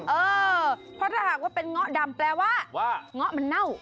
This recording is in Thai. เออเพราะถ้าหากว่าเป็นเงาะดำแปลว่าเงาะมันเน่า